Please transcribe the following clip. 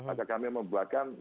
agar kami membuatkan